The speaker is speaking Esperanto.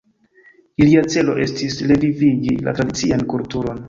Ilia celo estis revivigi la tradician kulturon.